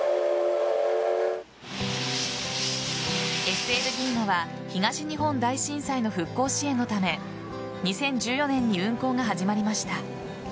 ＳＬ銀河は東日本大震災の復興支援のため２０１４年に運行が始まりました。